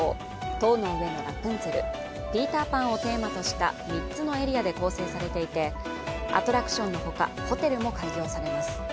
「塔の上のラプンツェル」「ピーター・パン」をテーマとした３つのエリアで構成されていて、アトラクションのほかホテルも開業されます。